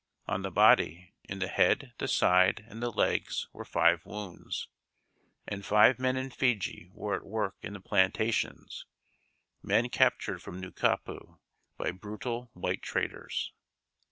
On the body, in the head, the side, and the legs were five wounds. And five men in Fiji were at work in the plantations men captured from Nukapu by brutal white traders.